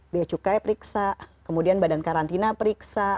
beacukai periksa kemudian badan karantina periksa